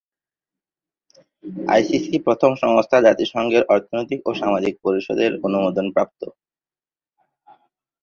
ICC প্রথম সংস্থা যে জাতিসংঘের অর্থনৈতিক ও সামাজিক পরিষদের অনুমোদন প্রাপ্ত।